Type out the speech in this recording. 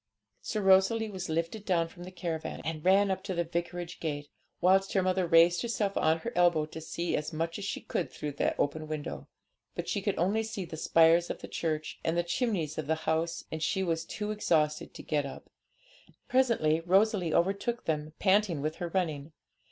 So Rosalie was lifted down from the caravan, and ran up to the vicarage gate, whilst her mother raised herself on her elbow to see as much as she could through the open window. But she could only see the spire of the church and the chimneys of the house, and she was too exhausted to get up. Presently Rosalie overtook them, panting with her running.